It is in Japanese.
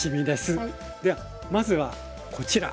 ではまずはこちら。